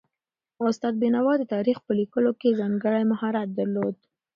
استاد بینوا د تاریخ په لیکلو کې ځانګړی مهارت درلود